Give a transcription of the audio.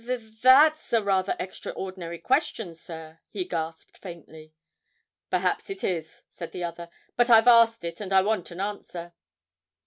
'Th that's a rather extraordinary question, sir,' he gasped faintly. 'Perhaps it is,' said the other; 'but I've asked it, and I want an answer.'